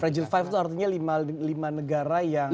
fragile five itu artinya lima negara yang rentan gitu ya